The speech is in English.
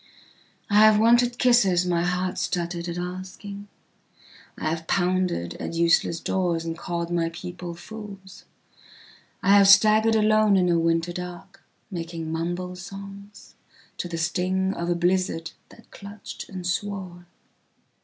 I have wanted kisses my heart stuttered at asking,I have pounded at useless doors and called my people fools.I have staggered alone in a winter dark making mumble songsto the sting of a blizzard that clutched and swore.